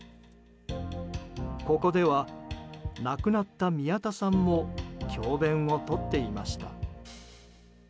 ここでは、亡くなった宮田さんも教鞭をとっていました。